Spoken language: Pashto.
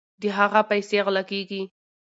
د هغه پیسې غلا کیږي.